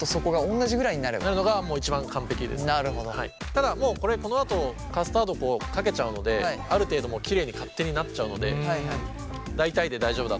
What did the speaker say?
ただもうこれこのあとカスタードをこうかけちゃうのである程度きれいに勝手になっちゃうので大体で大丈夫だと思います。